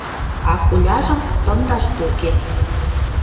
— А Коляжым — тымдаш токем